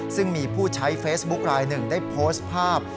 ซึ่งมีผู้ใช้เฟซบุ๊คลายหนึ่งได้โพสต์ภาพ